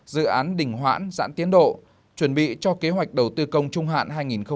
dự án đình hoãn giãn tiến độ chuẩn bị cho kế hoạch đầu tư công chung hạn hai nghìn hai mươi một hai nghìn hai mươi năm